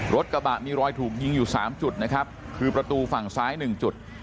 รถกระบะมีรอยถูกยิงอยู่๓จุดนะครับคือประตูฝั่งซ้าย๑จุด